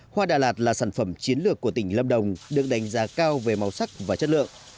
hoa đà lạt là sản phẩm chiến lược của tỉnh lâm đồng được đánh giá cao về màu sắc và chất lượng